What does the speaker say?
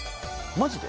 マジで？